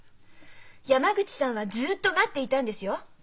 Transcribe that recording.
山口さんはずっと待っていたんですよ。